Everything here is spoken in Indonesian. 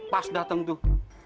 pas dateng tuh